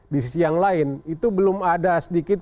di sisi yang lain itu belum ada sedikit